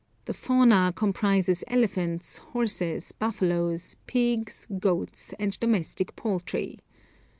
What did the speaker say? The fauna comprises elephants, horses, buffaloes, pigs, goats, and domestic poultry.